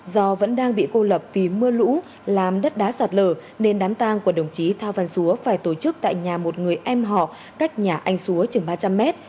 do vẫn đang bị cô lập vì mưa lũ làm đất đá sạt lở nên đám tang của đồng chí thao văn xúa phải tổ chức tại nhà một người em họ cách nhà anh xúa chừng ba trăm linh mét